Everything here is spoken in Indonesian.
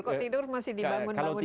kok tidur masih dibangun bangunin dikit